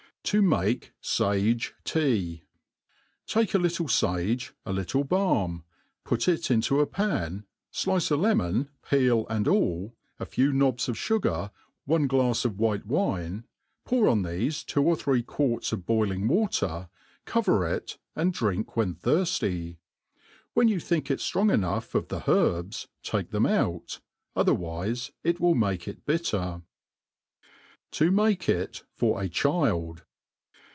To make Sage^Tea, TAKE a little (age, a little balm, put it into a pan, flice a lemon, peel and all^ a f^w knobs oC fug^r, one glais of white* R j[ * winc^ ^ 246 THE ART OF COOKERY wine, pour on there two or throe quarts of boiliog water^ cover it, and drink when thirfty. When you think it ftrqng enough of the herbs, take them out, otherwife it will mak^ it bitter. T§ make it fir a Cifld.